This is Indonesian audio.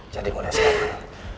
jadi mulai sekarang